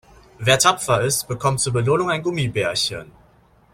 Wer tapfer ist, bekommt zur Belohnung ein Gummibärchen.